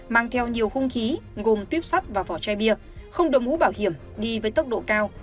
mang theo nhiều khung khí gồm tuyếp sắt và vỏ chai bia không đồng mũ bảo hiểm đi với tốc độ cao